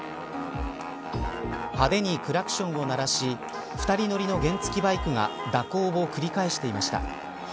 派手にクラクションを鳴らし２人乗りの原付バイクが蛇行を繰り返していました。